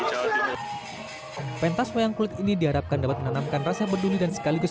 jawa timur pentas wayang kulit ini diharapkan dapat menanamkan rasa berduni dan sekaligus